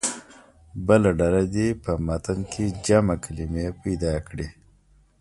بله ډله دې په متن کې جمع کلمې پیدا کړي.